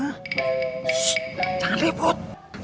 shhh jangan liput